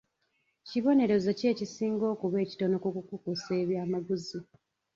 Kibonerezo ki ekisinga okuba ekitono ku kukusa eby'amaguzi?